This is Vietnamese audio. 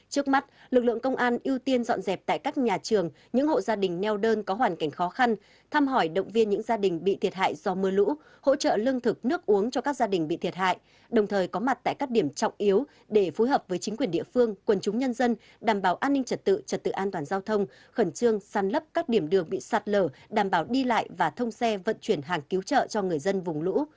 trước mắt lực lượng công an ưu tiên dọn dẹp tại các nhà trường những hộ gia đình neo đơn có hoàn cảnh khó khăn thăm hỏi động viên những gia đình bị thiệt hại do mưa lũ hỗ trợ lương thực nước uống cho các gia đình bị thiệt hại đồng thời có mặt tại các điểm trọng yếu để phối hợp với chính quyền địa phương quần chúng nhân dân đảm bảo an ninh trật tự trật tự an toàn giao thông khẩn trương sàn lấp các điểm đường bị sạt lở đảm bảo đi lại và thông xe vận chuyển hàng cứu trợ cho người dân vùng lũ